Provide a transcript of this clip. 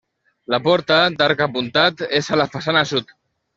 La porta, d'arc apuntat, és a la façana sud.